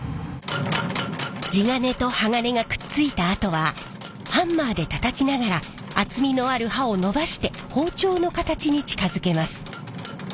地金と鋼がくっついたあとはハンマーでたたきながら厚みのある刃をのばして包丁の形に近づけます。